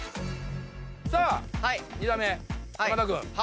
さあ２打目山田君。